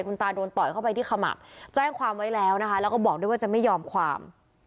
คุณตาโดนต่อยเข้าไปที่ขมับแจ้งความไว้แล้วนะคะแล้วก็บอกด้วยว่าจะไม่ยอมความ